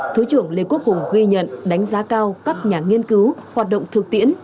thứ trưởng lê quốc hùng ghi nhận đánh giá cao các nhà nghiên cứu hoạt động thực tiễn